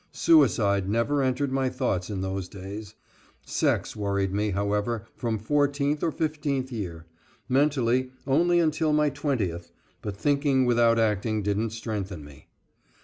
Suicide never entered my thoughts in those days. Sex worried me, however, from fourteenth or fifteenth year. Mentally, only until my twentieth, but thinking without acting didn't strengthen me.